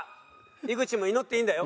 井口も祈っていいんだよ。